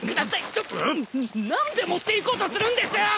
ちょっ何で持っていこうとするんです！？